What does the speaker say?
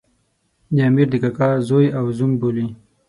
د امیر د کاکا زوی او زوم بولي.